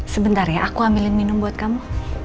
sebentar ya aku ambilin minum buat kamu